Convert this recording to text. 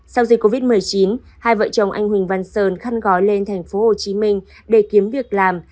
sau dịch covid một mươi chín hai vợ chồng anh huỳnh văn sơn khăn gói lên thành phố hồ chí minh để kiếm việc làm